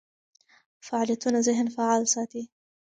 فعالیتونه ذهن فعال ساتي.